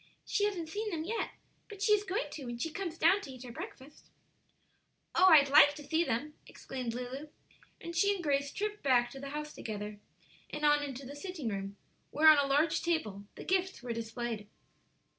She hasn't seen them yet, but she is going to when she comes down to eat her breakfast." "Oh, I'd like to see them!" exclaimed Lulu, and she and Grace tripped back to the house together, and on into the sitting room, where, on a large table, the gifts were displayed.